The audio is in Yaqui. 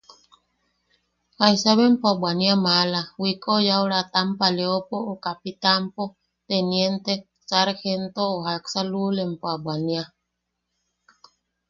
¿Jaisa bea empa bwania maala wiko yaʼut-ra tampaleopo o kapitanpo, teniente, sarjento o jaksempo luula empo a bwania?